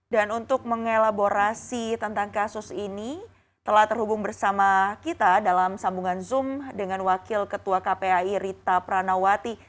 dan untuk mengelaborasi tentang kasus ini telah terhubung bersama kita dalam sambungan zoom dengan wakil ketua kpai rita pranawati